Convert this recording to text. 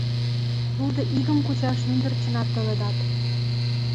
Лудо игым кучаш мӱндырчынат толедат.